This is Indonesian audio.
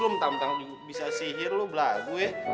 lu bentar bentar bisa sihir lu belagu ya